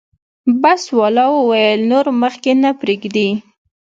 بس والا وویل نور مخکې نه پرېږدي.